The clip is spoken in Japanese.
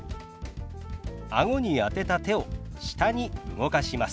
あごに当てた手を下に動かします。